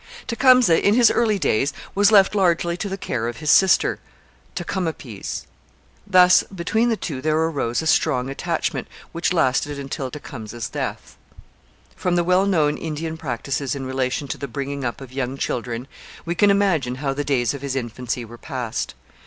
Tecumseh in his early days was left largely to the care of his sister, Tecumapease. Thus between the two there arose a strong attachment which lasted until Tecumseh's death. From the well known Indian practices in relation to the bringing up of young children we can imagine how the days of his infancy were passed.